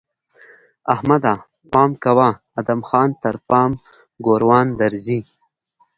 احمده! پام کوه؛ ادم خان تر پام ګوروان درځي!